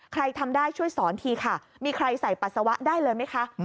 ทำได้ช่วยสอนทีค่ะมีใครใส่ปัสสาวะได้เลยไหมคะ